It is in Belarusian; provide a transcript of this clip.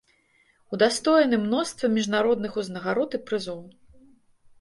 Удастоены мноства міжнародных узнагарод і прызоў.